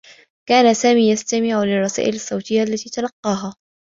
كان سامي يستمع للرّسائل الصّوتيّة التي تلقّاها.